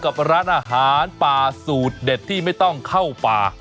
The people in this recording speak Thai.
กับร้านอาหารป่าสูตรเด็ดที่ไม่ต้องเข้าป่า